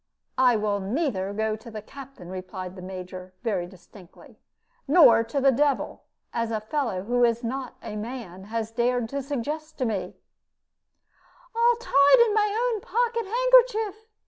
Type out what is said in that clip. "I will neither go to the captain," replied the Major, very distinctly, "nor yet to the devil, as a fellow who is not a man has dared to suggest to me " "All tied in my own pocket handkerchief!"